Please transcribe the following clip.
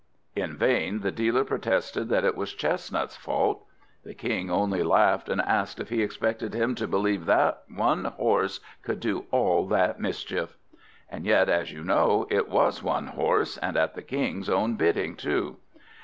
In vain the dealer protested that it was Chestnut's fault; the King only laughed, and asked if he expected him to believe that one horse could do all that mischief. (And yet, as you know, it was one horse, and at the King's own bidding too.)